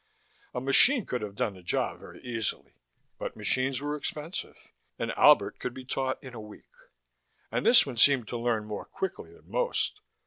A machine could have done the job very easily, but machines were expensive. An Albert could be taught in a week. And this one seemed to learn more quickly than most.